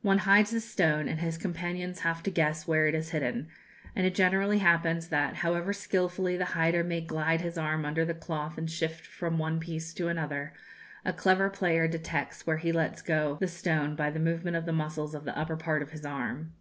One hides the stone, and his companions have to guess where it is hidden; and it generally happens that, however skilfully the hider may glide his arm under the cloth and shift from one piece to another, a clever player detects where he lets go the stone by the movement of the muscles of the upper part of his arm.